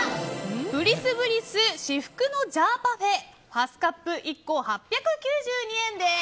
至福のジャーパフェハスカップ１個８９２円です。